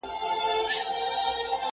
کابل منتر وهلی!.